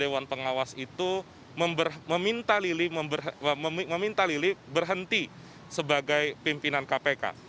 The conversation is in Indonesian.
dewan pengawas itu meminta lili berhenti sebagai pimpinan kpk